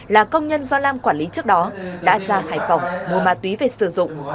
là công nhân do lam quản lý trước đó đã ra hải phòng mua ma túy về sử dụng